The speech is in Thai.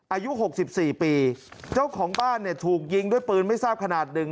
อายุหกสิบสี่ปีเจ้าของบ้านเนี่ยถูกยิงด้วยปืนไม่ทราบขนาดหนึ่ง